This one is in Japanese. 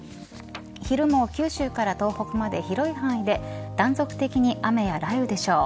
昼も九州から東北まで広い範囲で断続的に雨や雷雨でしょう。